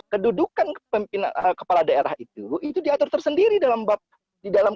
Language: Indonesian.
kedudukan kepala daerah itu diatur tersendiri dalam